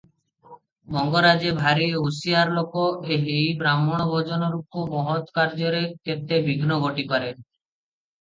ମଙ୍ଗରାଜେ ଭାରିହୁସିଆର ଲୋକ ଏହି ବାହ୍ମଣ ଭୋଜନ ରୂପ ମହତ୍ କାର୍ଯ୍ୟରେ କେତେ ବିଘ୍ନ ଘଟିପାରେ ।